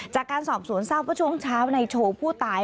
จากการสอบสวนทราบว่าช่วงเช้าในโชว์ผู้ตาย